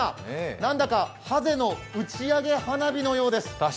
なんだかはぜの打ち上げ花火のようです。